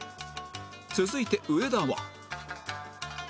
続いて上田は